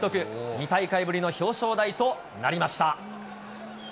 ２大会ぶりの表彰台となりました。